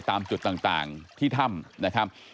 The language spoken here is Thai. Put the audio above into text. ตามจุดต่างที่ถ้ำนะครับ